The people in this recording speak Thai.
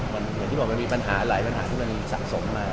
อย่างที่บอกมันมีปัญหาหลายปัญหาที่มันสะสมมา